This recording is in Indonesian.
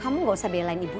kamu mau apa bal rescue ibu